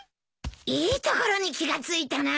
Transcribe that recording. いいところに気が付いたな。